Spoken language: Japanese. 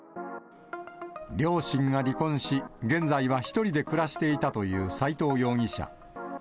両親が離婚し、現在は１人で暮らしていたという斎藤容疑者。